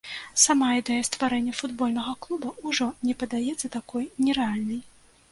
Сама ідэя стварэння футбольнага клуба ўжо не падаецца такой нерэальнай.